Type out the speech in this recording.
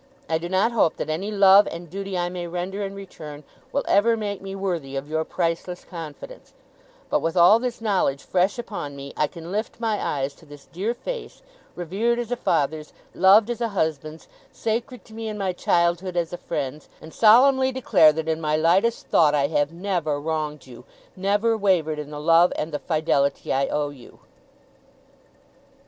I do not hope that any love and duty I may render in return, will ever make me worthy of your priceless confidence; but with all this knowledge fresh upon me, I can lift my eyes to this dear face, revered as a father's, loved as a husband's, sacred to me in my childhood as a friend's, and solemnly declare that in my lightest thought I have never wronged you; never wavered in the love and the fidelity I owe you!